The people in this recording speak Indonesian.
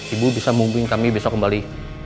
ibu bisa mumpung kami besok kembali